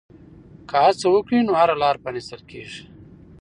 که هڅه وکړې نو هره لاره پرانیستل کېږي.